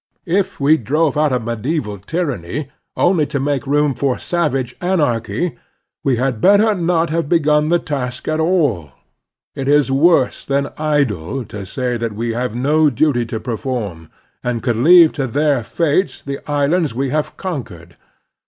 If we drove otiFT a medieval t)n:anny only to make room for savageV anarchy, we had better not have begun the taskjr at all. It is worse than idle to say that we have no duty to perform, and can leave to their fates the islands we have conquered.